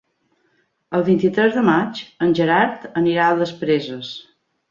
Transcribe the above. El vint-i-tres de maig en Gerard anirà a les Preses.